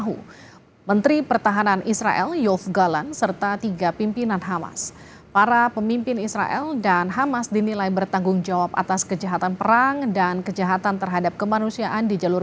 untuk kematian tersebut tersebut diperintahkan di daerah negara palestine dari sekurang kurangnya delapan oktober dua ribu dua puluh tiga